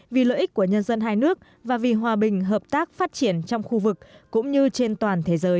vì lợi ích của nhân dân hai nước và vì hòa bình hợp tác phát triển trong khu vực cũng như trên toàn thế giới